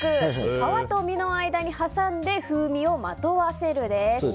皮と身の間にはさんで風味をまとわせるです。